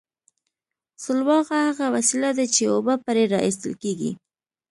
سلواغه هغه وسیله ده چې اوبه پرې را ایستل کیږي